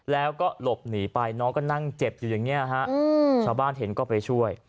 แล้วก็หลบหนีไปน้องก็นั่งเจ็บอยู่อย่างนี้ฮะชาวบ้านเห็นก็ไปช่วย